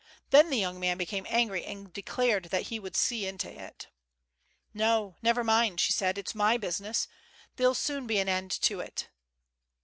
Then the young man became angry and declared that he would see into it. "No, never mind," she said, "it's my business. There'll soon be an end to it."